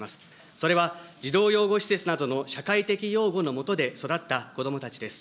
それは、児童養護施設などの社会的擁護の下で育った子どもたちです。